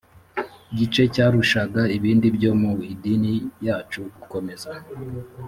gice cyarushaga ibindi byo mu idini yacu gukomeza